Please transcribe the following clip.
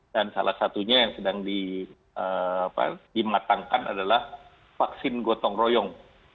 dan salah satunya yang sedang dimatangkan adalah vaksin gotong royong